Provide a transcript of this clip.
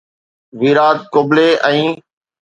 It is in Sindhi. ويرات ڪبلي ۽